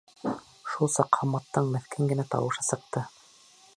Шул саҡ Хамматтың меҫкен генә тауышы сыҡты: